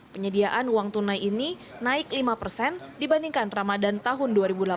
penyediaan uang tunai ini naik lima persen dibandingkan ramadan tahun dua ribu delapan belas